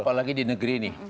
apalagi di negeri ini